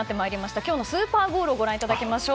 今日のスーパーゴールをご覧いただきましょう。